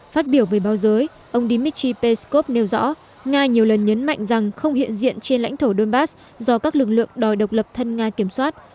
phát biểu về báo giới ông dmitry peskov nêu rõ nga nhiều lần nhấn mạnh rằng không hiện diện trên lãnh thổ donbass do các lực lượng đòi độc lập thân nga kiểm soát